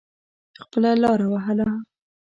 خپله لاره وهله.